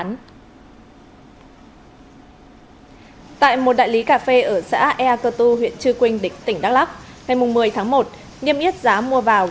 nhiều ngày qua giá cà phê thu mua tại một số đại lý nông sản trên địa bàn tỉnh đắk lắk hơn bảy mươi đồng một kg nên nông dân đã đổ xô tới bán